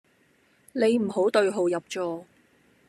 你唔好對號入座